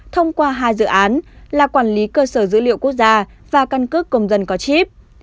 thông qua hai dự án là quản lý cơ sở dữ liệu quốc gia và căn cước công dân có chip